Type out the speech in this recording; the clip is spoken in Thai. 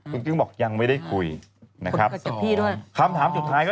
กึ้งกึ้งบอกยังไม่ได้คุยนะครับคนกับพี่ด้วยคำถามสุดท้ายก็